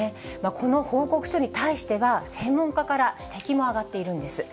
この報告書に対しては、専門家から指摘も上がっているんです。